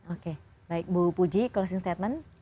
oke baik bu puji closing statement